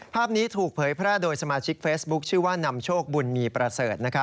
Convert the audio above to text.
ภาพนี้ถูกเผยแพร่โดยสมาชิกเฟซบุ๊คชื่อว่านำโชคบุญมีประเสริฐ